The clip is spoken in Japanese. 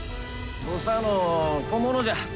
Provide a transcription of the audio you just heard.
土佐の小物じゃ。